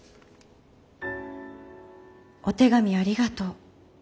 「お手紙ありがとう。